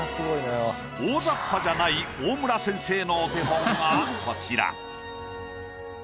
大雑把じゃない大村先生のお手本がこちら。